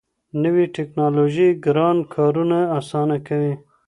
نوې ټیکنالوژي ګران کارونه اسانه کوي.